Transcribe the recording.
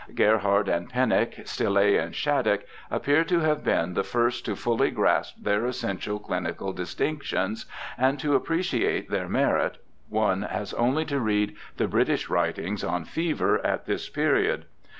Gerhard and Pennock, Stille and Shattuck, appear to have been the first to fully grasp their essential clinical distinctions, and to appreciate their merit one has only to read the British writings on fever at this period.